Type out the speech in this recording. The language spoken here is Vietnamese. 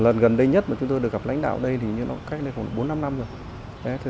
lần gần đây nhất mà chúng tôi được gặp lãnh đạo đây thì như cách đây khoảng bốn năm năm rồi